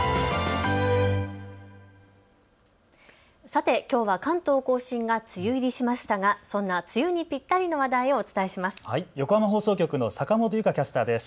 さて、きょうは関東甲信が梅雨入りしましたがそんな梅雨にぴったりの話題をお伝えします。